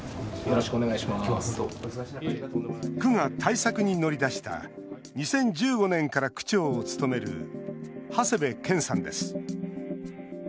区が対策に乗り出した２０１５年から区長を務める長谷部健さんです。